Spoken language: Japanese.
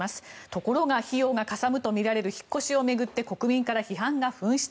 ところが費用がかさむとみられる引っ越しを巡って国民から批判が噴出。